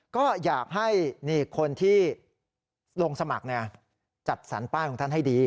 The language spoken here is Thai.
ก็อยากให้คนที่ลงสมัครจัดสรรป้ายของท่านให้ดี